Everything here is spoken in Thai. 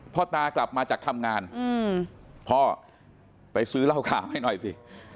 ตากลับมาจากทำงานพ่อไปซื้อเหล้าขาวให้หน่อยสิ